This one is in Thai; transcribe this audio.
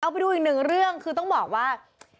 ไปดูอีกหนึ่งเรื่องคือต้องบอกว่า